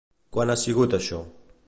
Quan ha sigut això?